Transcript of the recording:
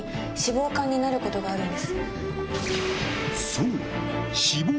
そう！